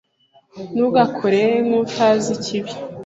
Ntugakore nkutazi ikibi.